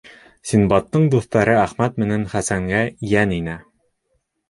Синдбадтың дуҫтары Әхмәт менән Хәсәнгә йән инә.